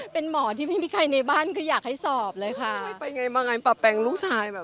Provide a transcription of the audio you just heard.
เป็นหมอที่ไม่มีใครในบ้านคืออยากให้สอบเลยค่ะไม่ไปไงมาไงปะแปงลูกชายแบบ